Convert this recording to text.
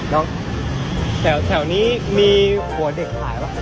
แล้วแถวนี้มีผัวเด็กขายป่ะ